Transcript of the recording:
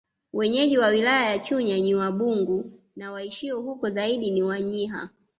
Wenyeji wa wilaya ya Chunya ni Wabungu na waishio huko zaidi ni Wanyiha